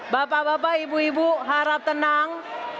bapak bapak ibu ibu harap tenang